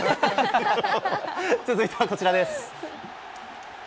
続いてはこちらです。